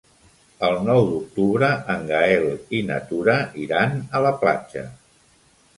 El nou d'octubre en Gaël i na Tura iran a la platja.